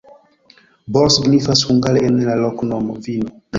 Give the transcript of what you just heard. Bor signifas hungare en la loknomo: vino.